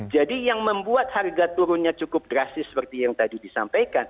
jadi yang membuat harga turunnya cukup drastis seperti yang tadi disampaikan